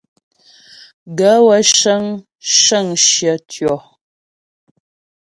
Gaə̂ wə́ cə́ŋ shə́ŋ shyə tyɔ̀.